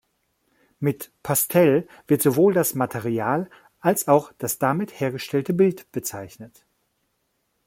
Mit "Pastell" wird sowohl das Material als auch das damit hergestellte Bild bezeichnet.